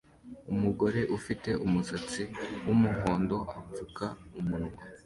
Umugore ufite umusatsi wumuhondo apfuka umunwa